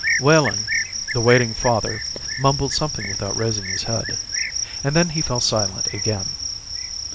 Wehling, the waiting father, mumbled something without raising his head. And then he fell silent again.